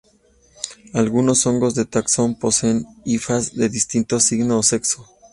Algunos hongos del taxón poseen hifas de distinto signo o sexo.